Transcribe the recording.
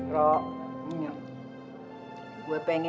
rohnya gue pengen